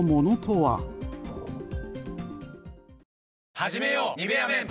はじめよう「ニベアメン」